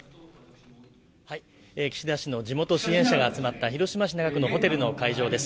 岸田氏の地元支援者が集まった広島市のホテルの会場です。